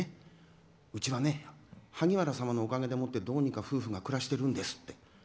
うちはね萩原様のおかげでもってどうにか夫婦が暮らしてるんですって。